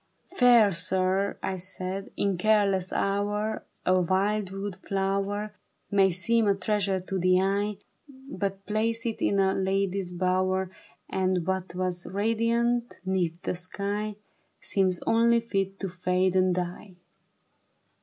" Fair sir," I said, " in careless hour A wild wood flower May seem a treasure to the eye, But place it in a lady's bower, And what was radiant 'neath the sky Seems only fit to fade and die."